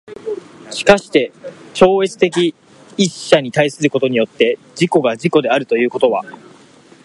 しかして超越的一者に対することによって自己が自己であるということは、